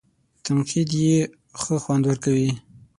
تنقید یې ښه خوند ورکوي.